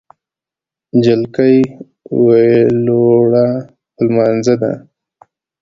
جلکۍ ویلوړه په لمونځه ده